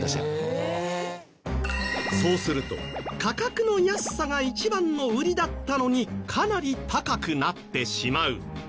そうすると価格の安さが一番の売りだったのにかなり高くなってしまう。